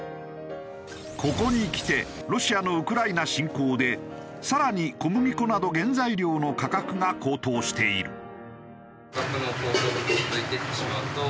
ここにきてロシアのウクライナ侵攻で更に小麦粉など原材料の価格が高騰している。